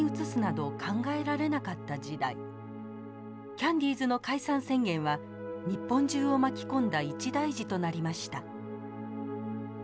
キャンディーズの解散宣言は日本中を巻き込んだ一大事となりました。